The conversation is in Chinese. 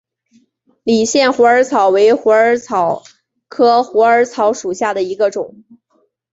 理县虎耳草为虎耳草科虎耳草属下的一个种。